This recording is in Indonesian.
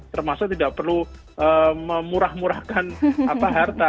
termasuk tidak perlu memurah murahkan harta